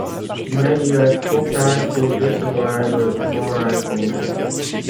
Mais il est trop tard pour recevoir le droit romain.